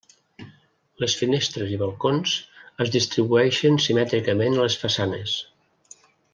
Les finestres i balcons es distribueixen simètricament a les façanes.